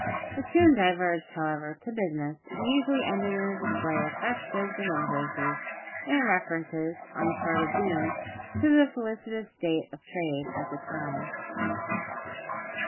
It soon diverged, however, to business, and usually ended in a display of fresh goods and invoices, and in references, on the part of Boone, to the felicitous state of trade at the time.